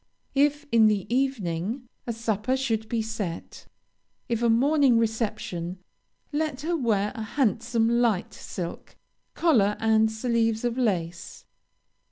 If in the evening, a supper should be set. If a morning reception, let her wear a handsome light silk, collar and sleeves of lace.